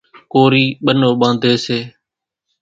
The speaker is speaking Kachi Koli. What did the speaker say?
ڪورِي ٻنو ٻانڌيَ سي۔